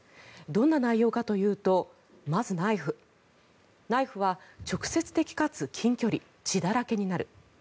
どんな内容かというとまず、ナイフナイフは直接的かつ近距離血だらけになる。